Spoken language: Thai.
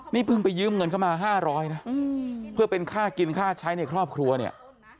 นี่เพิ่งไปยืมเงินเข้ามา๕๐๐นะเพื่อเป็นค่ากินค่าใช้ในครอบครัวเนี่ย